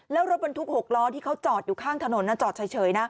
แล้วรถบรรทุก๖ล้อที่เขาจอดอยู่ข้างถนนจอดเฉยนะ